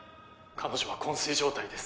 彼女は昏睡状態です